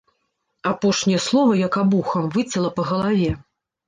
Апошняе слова, як абухам, выцяла па галаве.